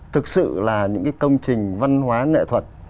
thực sự là những cái công trình văn hóa nghệ thuật